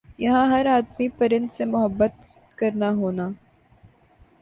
یَہاں ہَر آدمی پرند سے محبت کرنا ہونا ۔